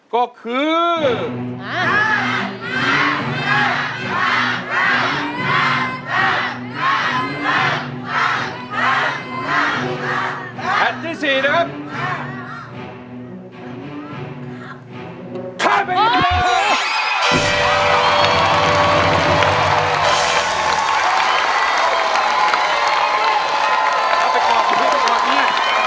ครับ